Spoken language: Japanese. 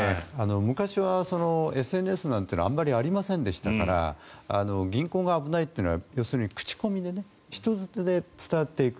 昔はＳＮＳなんていうのはあまりありませんでしたから銀行が危ないというのは要するに、口コミで人づてで伝わっていく。